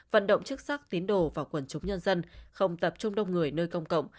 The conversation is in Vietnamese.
vận động chức sắc tiến đồ vào quần chúng nhân dân không tập trung đông người nơi công cộng